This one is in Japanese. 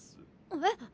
えっ？